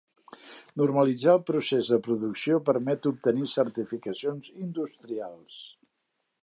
Normalitzar el procés de producció permet obtenir certificacions industrials.